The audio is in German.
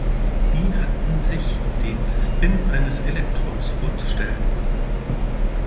Wie hat man sich den Spin eines Elektrons vorzustellen?